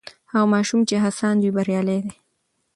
هغه ماشوم چې هڅاند دی بریالی دی.